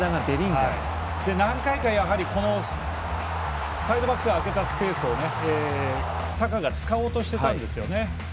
何回か、サイドバックが空けたスペースをサカが使おうとしていたんですね。